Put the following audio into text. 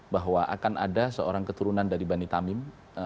bahwa akan ada seorang keturunan dari bani tamim